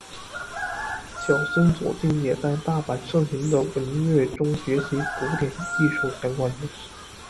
小松左京也在大阪盛行的文乐中学习古典艺术相关知识。